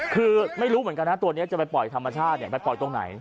คือไม่รู้เหมือนกันนะตัวนี้จะไปปล่อยธรรมชาติไปปล่อยตรงไหน